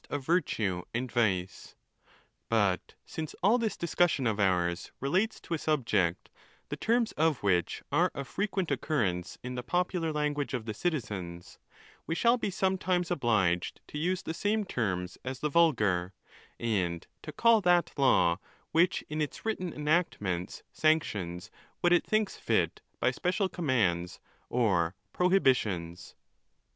of virtue and vice. But since all this discussion of ours re lates to a subject, the terms of which are of frequent occur ) rence in the popular language of the citizens, we shall be sometimes obliged to use the same terms as the vulgar, and to call that law, which in its written enactments sanctions what it thinks fit by special commands or prohibitions.